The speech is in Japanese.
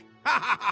ハハハ！